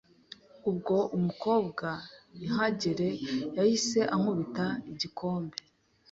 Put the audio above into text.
Ubwo umukobwa nkihagera yahise ankubita igikombe